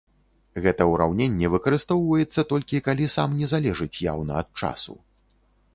Гэта ўраўненне выкарыстоўваецца толькі, калі сам не залежыць яўна ад часу.